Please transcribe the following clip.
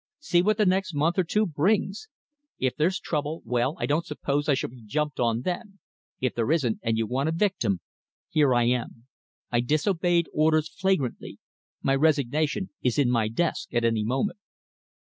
See what the next month or two brings. If there's trouble well, I don't suppose I shall be jumped on then. If there isn't, and you want a victim, here I am. I disobeyed orders flagrantly. My resignation is in my desk at any moment."